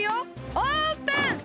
オープン！